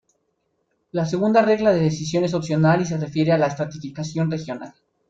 La segunda regla de decisión es opcional y se refiere a la estratificación regional.